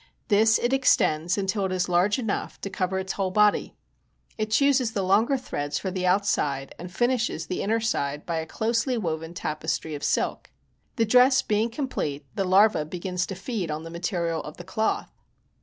This it extends until it is large enough to cover its whole body. It chooses the longer threads for the outside and finishes the inner side by a closely woven tapestry of silk. The dress being complete, the larva begins to feed on the material of the cloth.